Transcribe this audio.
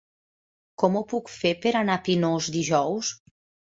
Com ho puc fer per anar a Pinós dijous?